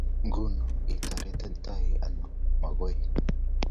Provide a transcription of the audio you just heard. Nguno, itoreto anan magoy?